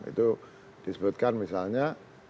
itu disebutkan misalnya